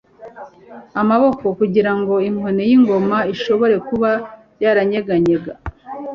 Amaboko, kugirango inkoni yingoma ishobora kuba yaranyeganyega,